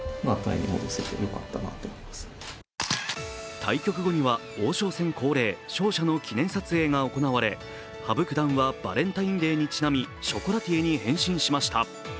対局後には、王将戦恒例、勝者の記念撮影が行われ、羽生九段はバレンタインデーにちなみショコラティエに変身しました。